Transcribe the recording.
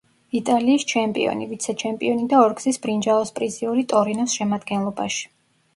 იტალიის ჩემპიონი, ვიცე-ჩემპიონი და ორგზის ბრინჯაოს პრიზიორი „ტორინოს“ შემადგენლობაში.